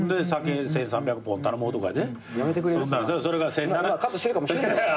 今カットしてるかもしれない。